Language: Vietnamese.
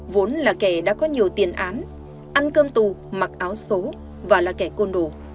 vốn là kẻ đã có nhiều tiền án ăn cơm tù mặc áo số và là kẻ côn đồ